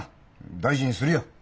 大事にするよ！